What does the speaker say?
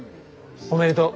おめでとう。